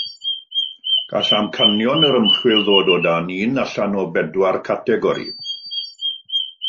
Gall amcanion yr ymchwil ddod o dan un allan o bedwar categori